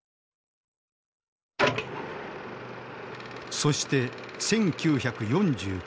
そして１９４９年１０月。